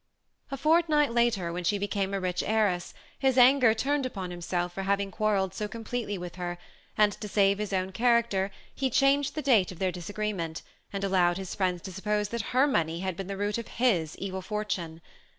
A fortnight later, when she became a rich heiress, his anger turned upon himself for having quar relled so completely with her ; and to save his own char acter, he changed the date of their disagreement, and allowed his friends to suppose that her money had been the root of his evil fortune.